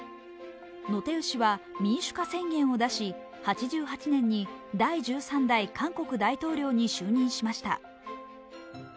ノ・テウ氏は民主化宣言を出し、８８年に第１３代韓国大統領に就任しました。